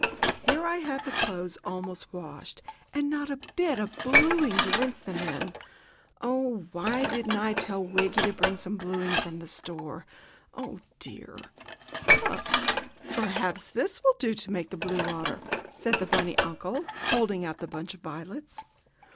Here I have the clothes almost washed, and not a bit of bluing to rinse them in. Oh, why didn't I tell Wiggy to bring me some blueing from the store? Oh, dear!" "Ha! Perhaps these will do to make blue water," said the bunny uncle, holding out the bunch of violets.